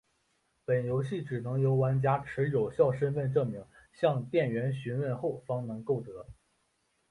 本游戏只能由玩家持有效身份证明向店员询问后方能购得。